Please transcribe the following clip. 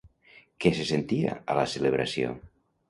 Què se sentia a la celebració?